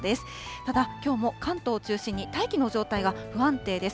ただ、きょうも関東を中心に大気の状態が不安定です。